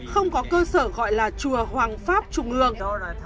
không có cơ sở gọi là chùa hoàng pháp trung ương